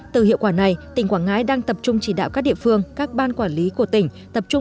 từ hiệu quả này tỉnh quảng ngãi đang tập trung cho các công trình đấu thầu